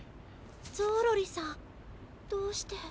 ゾーロリさんどうして。